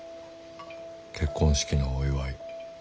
結婚式のお祝い。